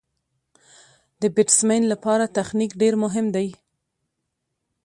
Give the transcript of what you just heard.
د بېټسمېن له پاره تخنیک ډېر مهم دئ.